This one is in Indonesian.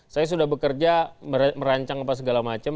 saya sudah bekerja merancang apa segala macam